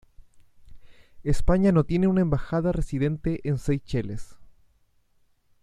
España no tiene una Embajada residente en Seychelles.